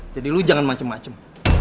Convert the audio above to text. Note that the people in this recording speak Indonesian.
jadi lo jangan macem macem